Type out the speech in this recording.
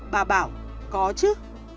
bà bảo có chứ